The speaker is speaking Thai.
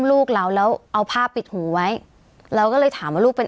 ลูกเราแล้วเอาผ้าปิดหูไว้เราก็เลยถามว่าลูกเป็น